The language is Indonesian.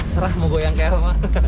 serah mau goyang kayak apa